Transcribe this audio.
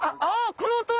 この音は！